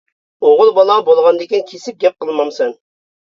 — ئوغۇل بالا بولغاندىكىن كېسىپ گەپ قىلمامسەن!